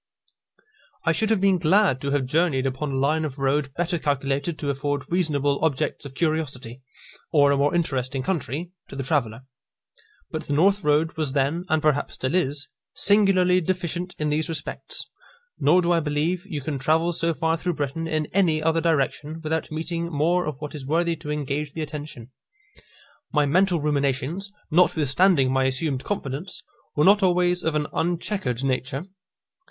I should have been glad to have journeyed upon a line of road better calculated to afford reasonable objects of curiosity, or a more interesting country, to the traveller. But the north road was then, and perhaps still is, singularly deficient in these respects; nor do I believe you can travel so far through Britain in any other direction without meeting more of what is worthy to engage the attention. My mental ruminations, notwithstanding my assumed confidence, were not always of an unchequered nature.